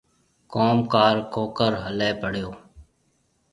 ڪوم ڪار ڪونڪر هليَ پڙيو؟